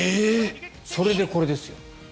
それでこれですよ。